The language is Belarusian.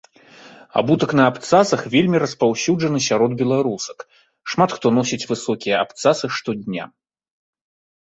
Абутак на абцасах вельмі распаўсюджаны сярод беларусак, шмат хто носіць высокія абцасы штодня.